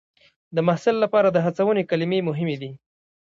د محصل لپاره د هڅونې کلمې مهمې دي.